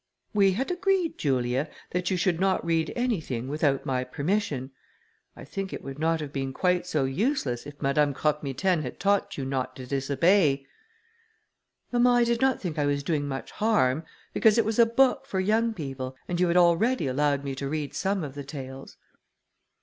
"We had agreed, Julia, that you should not read anything without my permission. I think it would not have been quite so useless if Madame Croque Mitaine had taught you not to disobey." "Mamma, I did not think I was doing much harm, because it was a book for young people, and you had already allowed me to read some of the tales."